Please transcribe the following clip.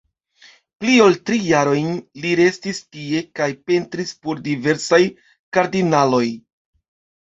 Pli ol tri jarojn li restis tie kaj pentris por diversaj kardinaloj.